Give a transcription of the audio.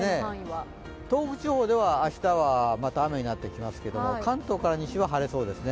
東北地方では明日はまた雨になってきますけれども、関東から西は晴れそうですね。